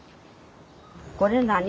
これ何？